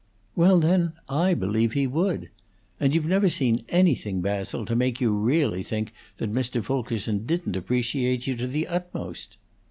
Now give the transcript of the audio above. "Well, then, I believe he would. And you've never seen anything, Basil, to make you really think that Mr. Fulkerson didn't appreciate you to the utmost."